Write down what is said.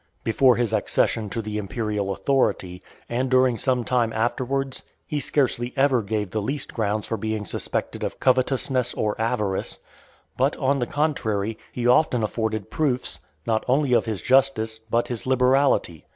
Before his accession to the imperial authority, and during some time afterwards, he scarcely ever gave the least grounds for being suspected of covetousness or avarice; but, on the contrary, he often afforded proofs, not only of his justice, but his liberality.